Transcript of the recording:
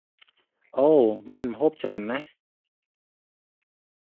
អូរ!! មានម្ហូបច្រើនណាស់!